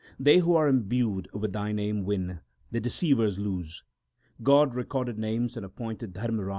They who are imbued with Thy name win ; the de ceivers lose. God recorded names and appointed Dharmraj to record acts.